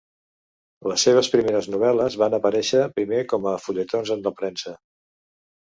Les seves primeres novel·les van aparèixer primer com a fulletons en la premsa.